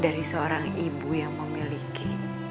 dari seorang ibu yang memiliki